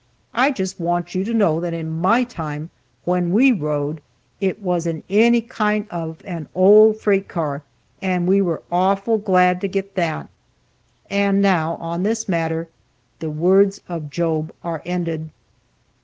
I just want you to know that in my time, when we rode, it was in any kind of an old freight car, and we were awful glad to get that. And now on this matter, "The words of Job are ended."